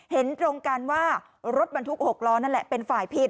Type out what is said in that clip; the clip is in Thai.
เห็นตรงกันว่ารถบรรทุก๖ล้อนั่นแหละเป็นฝ่ายผิด